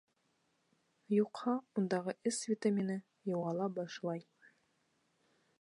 Юҡһа, ундағы С витамины юғала башлай.